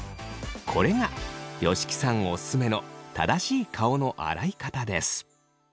これが吉木さんオススメの正しい顔の洗い方です。